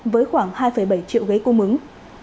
với khoảng hai bảy triệu ghế cung ứng